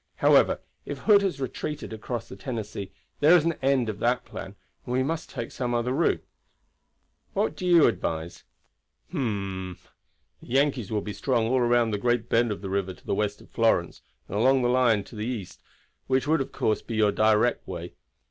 However, if Hood has retreated across the Tennessee there is an end of that plan, and we must take some other route. Which do you advise?" "The Yankees will be strong all round the great bend of the river to the west of Florence and along the line to the east, which would, of course, be your direct way.